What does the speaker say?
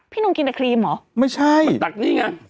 หนุ่มกินแต่ครีมเหรอไม่ใช่ตักนี่ไง